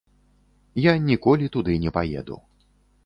Я ніколі туды не паеду.